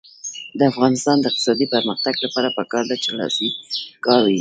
د افغانستان د اقتصادي پرمختګ لپاره پکار ده چې لاسي کار وي.